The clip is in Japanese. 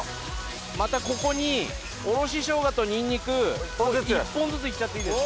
またここに、おろしショウガとニンニク、１本ずついっちゃっていいです。